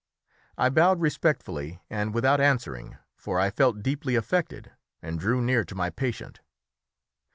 I bowed respectfully and without answering, for I felt deeply affected, and drew near to my patient.